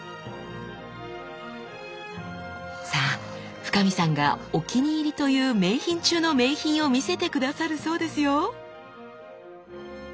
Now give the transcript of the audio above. さあ深海さんがお気に入りという名品中の名品を見せて下さるそうですよ！